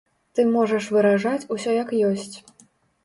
Ты можаш выражаць усё як ёсць.